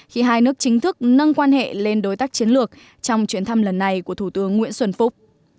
khi hai nước chính thức nâng quan hệ lên đối tác chiến lược trong chuyến thăm lần này của thủ tướng nguyễn xuân phúc